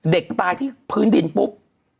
เด็กตายที่พื้นดินปุ๊บ